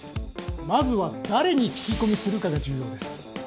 まずは誰に聞き込みするかが重要です。